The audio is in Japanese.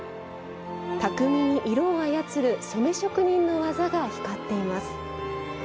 巧みに色を操る染め職人の技が光っています。